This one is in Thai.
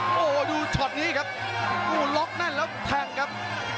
โอ้โหดูช็อตนี้ครับโอ้โหล็อกแน่นแล้วแทงครับ